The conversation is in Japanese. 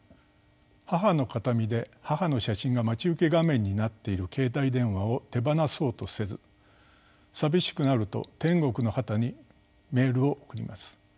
母の形見で母の写真が待ち受け画面になっている携帯電話を手放そうとせず寂しくなると天国の母にメールを送ります。